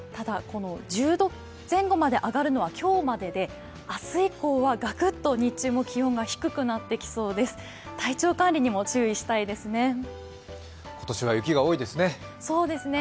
１０度前後まで上がるのは今日までで、明日以降はがくっと日中も気温が低くなってきそうです。